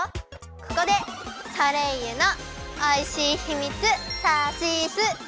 ここでソレイユのおいしいひみつ！